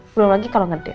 belum lagi kalo ngedit